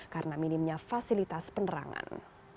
karena minimnya fasilitas penerangan